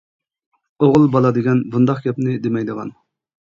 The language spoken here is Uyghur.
-ئوغۇل بالا دېگەن بۇنداق گەپنى دېمەيدىغان.